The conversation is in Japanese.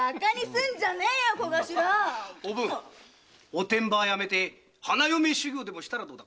お転婆はやめて花嫁修業でもしたらどうだ？」